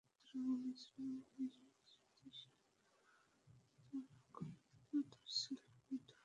তারা বলেছিলেন যে যদি সে তা না করে তবে তার ছেলে অবৈধ হয়ে যাবে।